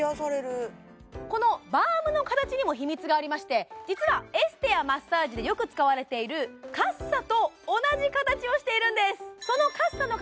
このバームの形にも秘密がありまして実はエステやマッサージでよく使われているカッサと同じ形をしているんです